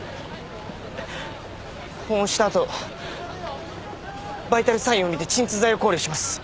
保温した後バイタルサインを見て鎮痛剤を考慮します。